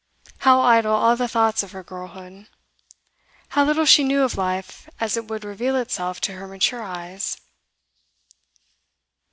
How idle all the thoughts of her girlhood! How little she knew of life as it would reveal itself to her mature eyes!